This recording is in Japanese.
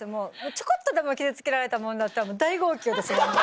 ちょこっとでも傷つけられたもんならたぶん大号泣です。